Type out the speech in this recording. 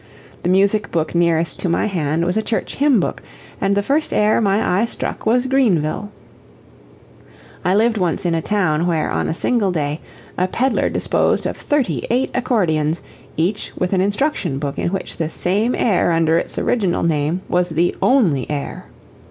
The music book nearest to my hand was a church hymn book, and the first air my eye struck was "Greenville." I lived once in a town, where, on a single day, a pedler disposed of thirty eight accordeons, each with an instruction book in which this same air under its original name was the ONLY air.